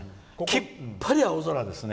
きっぱり青空ですね。